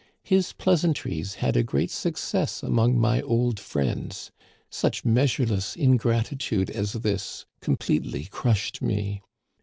His pleasantries had a great success among my old friends. Such meas ureless ingratitude as this completely crushed me.